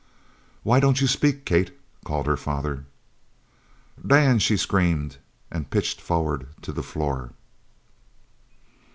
"Why don't you speak, Kate?" called her father. "Dan!" she screamed, and pitched forward to the floor.